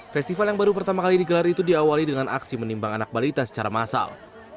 festival yang baru pertama kali digelar itu diawali dengan aksi menimbang anak balita secara massal